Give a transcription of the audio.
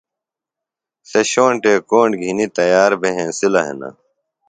سےۡ شونٹے کونٹ گھِنیۡ تیار بھےۡ ہِنسِلہ ہِنہ